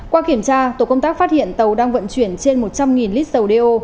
qua kiểm tra tổ công tác phát hiện tàu đang vận chuyển trên một trăm linh lít dầu đeo